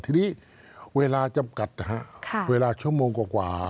ทีนี้เวลาจำกัดนะฮะเวลาชั่วโมงกว่า